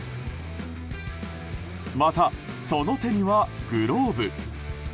また、その手にはグローブ。